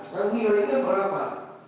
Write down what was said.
nah nilainya berapa